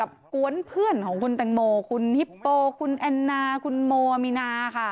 กับก้วนเพื่อนของคุณเต็งโมเขานีโปว์คุณแอนน่าคุณโมมิน่าค่ะ